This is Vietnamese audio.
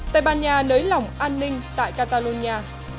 tây ban nha lấy lỏng an ninh tại catalonia